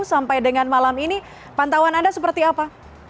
sampai dengan malam ini pantauan anda seperti apa